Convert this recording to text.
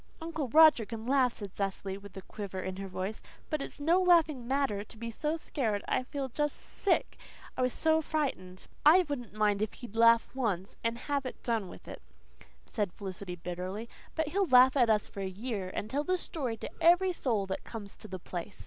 "Uncle Roger can laugh," said Cecily, with a quiver in her voice, "but it's no laughing matter to be so scared. I just feel sick, I was so frightened." "I wouldn't mind if he'd laugh once and have it done with it," said Felicity bitterly. "But he'll laugh at us for a year, and tell the story to every soul that comes to the place."